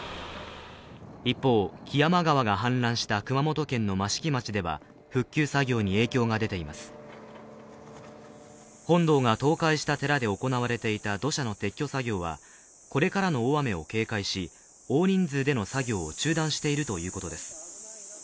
一方、木山川が氾濫した熊本県の益城町では本堂が倒壊した寺で行われていた土砂の撤去作業はこれからの大雨を警戒し、大人数での作業を中断しているということです。